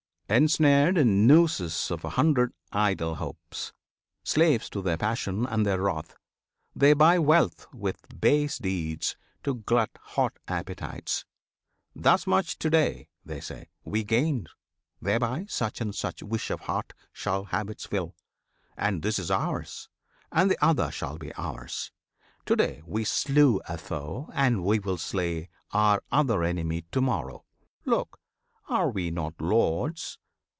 Ensnared In nooses of a hundred idle hopes, Slaves to their passion and their wrath, they buy Wealth with base deeds, to glut hot appetites; "Thus much, to day," they say, "we gained! thereby Such and such wish of heart shall have its fill; And this is ours! and th' other shall be ours! To day we slew a foe, and we will slay Our other enemy to morrow! Look! Are we not lords?